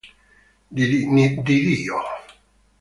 Di Dio